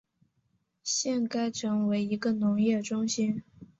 现该城为一个农业中心。